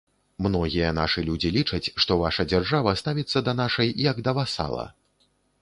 Многія нашы людзі лічаць, што ваша дзяржава ставіцца да нашай як да васала.